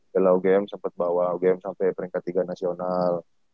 berla ugm sempet bawa ugm sampe peringkat tiga nasional